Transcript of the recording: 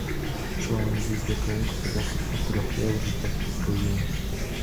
ښوونځی زدهکوونکو ته د خدمت روحیه ورزده کوي.